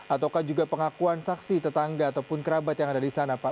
ataukah juga pengakuan saksi tetangga ataupun kerabat yang ada di sana pak